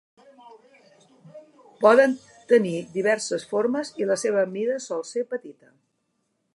Poden tenir diverses formes, i la seva mida sol ser petita.